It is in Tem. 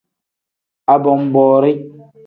Abonboori.